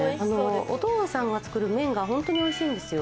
お父さんが作る麺が、本当においしいんですよ。